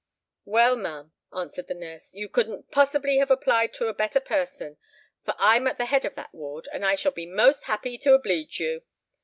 "Well, ma'am," answered the nurse, "you couldn't possibly have applied to a better person; for I'm at the head of that ward, and I shall be most happy to obleege you.